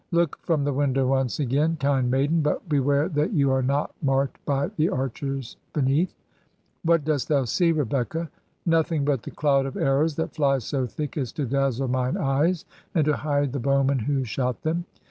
Look from the window once again, kind maiden, but beware that you are not marked by the archers beneath. ... What dost thou see, Rebecca?' 'Nothing but the cloud of arrows that fly so thick as to dazzle mine eyes, and to hide the bowmen who shoot them.'